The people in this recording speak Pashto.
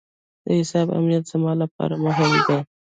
د حساب امنیت زما لپاره مهم دی.